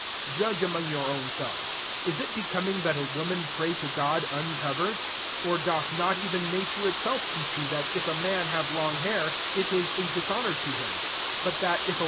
13 Judge among your own selves : is it becoming that a woman pray to God uncovered? 14 \^0r'] doth not even nature [itself J teach you, that, if a man have long hair, it is a dishonour to him ; 15 but that^ if a woman • Gr.